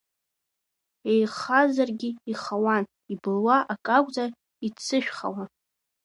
Еихазаргьы ихауан, ибылуа акы акәзар иццышәхауан.